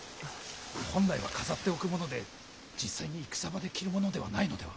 本来は飾っておくもので実際に戦場で着るものではないのでは。